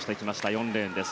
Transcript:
４レーンです。